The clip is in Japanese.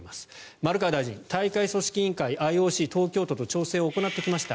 丸川大臣は、大会組織委員会ＩＯＣ、東京都と調整を行ってきました。